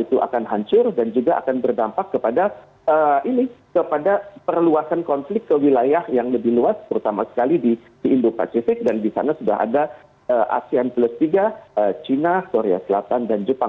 itu akan hancur dan juga akan berdampak kepada perluasan konflik ke wilayah yang lebih luas terutama sekali di indo pacific dan di sana sudah ada asean plus tiga china korea selatan dan jepang